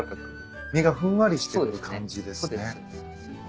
身がふんわりしてる感じですね。